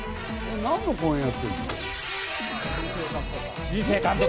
何の講演やってんの？